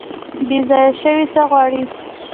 بیځایه شوي څه غواړي؟